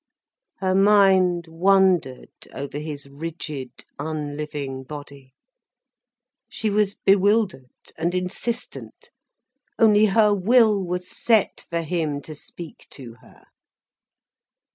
Her mind wondered, over his rigid, unliving body. She was bewildered, and insistent, only her will was set for him to speak to her.